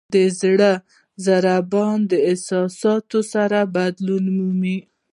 د زړه ضربان د احساساتو سره بدلون مومي.